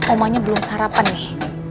omanya belum sarapan nih